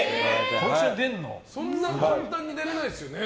そんな簡単に出れないですよね。